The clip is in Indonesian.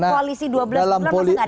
masa enggak ada kesel keselnya